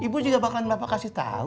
ibu juga bahkan bapak kasih tahu